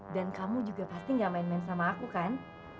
dan kamu juga pasti gak main main sama aku kan